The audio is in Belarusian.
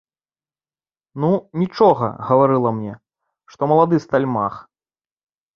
Ну, нічога, гаварыла мне, што малады стальмах.